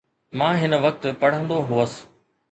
مان هن وقت پڙهندو هوس.